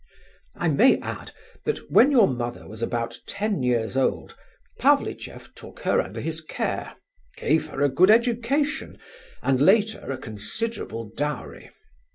I may add that when your mother was about ten years old, Pavlicheff took her under his care, gave her a good education, and later, a considerable dowry.